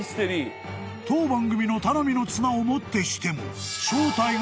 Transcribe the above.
［当番組の頼みの綱をもってしても］